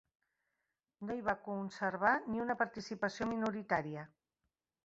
No hi va conservar ni una participació minoritària.